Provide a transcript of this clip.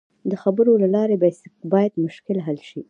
د خبرو له لارې باید مشکل حل شي.